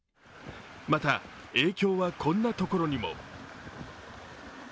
また、影響はこんなところにも。